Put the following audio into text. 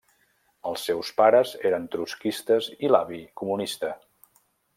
Els seus pares eren trotskistes i l'avi, comunista.